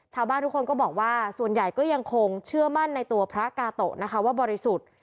ชาวบ้านทุกคนก็บอกว่าส่วนใหญ่ก็ยังคงเชื่อมั่นในตัวพระกาโตะนะคะว่าบริสุทธิ์